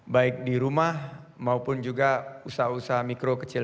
baik di rumah maupun juga usaha usaha mikro kecil